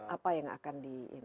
apa yang akan di